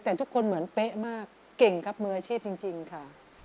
แต่ทุกคนเปะมากเก่งกับมืออาชีพจริงค่ะ